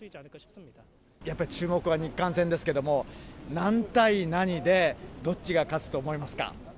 やっぱり注目は日韓戦ですけども、何対何でどっちが勝つと思いますか？